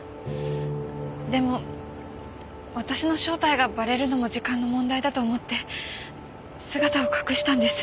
でも私の正体がバレるのも時間の問題だと思って姿を隠したんです。